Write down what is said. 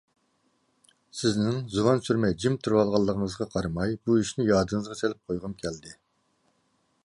سىزنىڭ زۇۋان سۈرمەي جىم بولۇۋالغىنىڭىزغا قارىماي بۇ ئىشىنى يادىڭىزغا سېلىپ قويغۇم كەلدى.